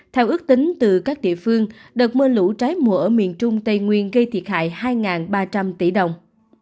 theo ước tính từ các địa phương đợt mưa lũ trái mùa ở miền trung tây nguyên gây thiệt hại hai ba trăm linh tỷ đồng